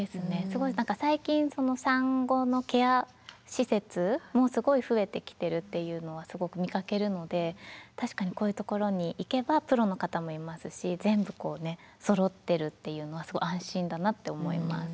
すごい何か最近産後のケア施設もすごい増えてきてるっていうのはすごく見かけるので確かにこういうところに行けばプロの方もいますし全部こうねそろってるっていうのはすごい安心だなって思います。